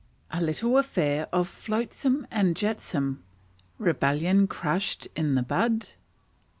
A little Affair of "Flotsam and Jetsam." Rebellion crushed in the Bud.